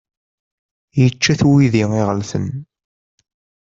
Yečča-t uydi iɣelten.